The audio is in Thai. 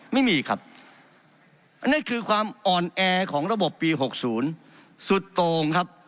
ไม่มีครับอันนี้คือความอ่อนแอของระบบปี๖๐สุดโกงครับ